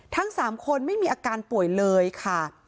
ทั้ง๓คนไม่มีอาการป่วยเลยค่ะ